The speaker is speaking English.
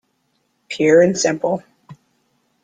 Pure and simple.